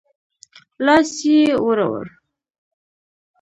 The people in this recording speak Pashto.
لاس يې ورووړ.